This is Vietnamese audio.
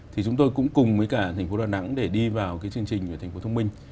thì chúng tôi cũng cùng với cả thành phố đà nẵng để đi vào cái chương trình thành phố thông minh